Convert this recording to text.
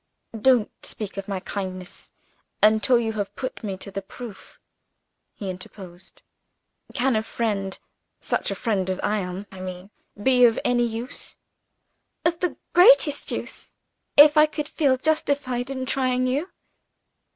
"Don't speak of my kindness until you have put me to the proof," he interposed. "Can a friend (such a friend as I am, I mean) be of any use?" "Of the greatest use if I could feel justified in trying you."